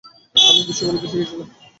আমি বিশ্ব কবিতা শিখিয়েছিলাম।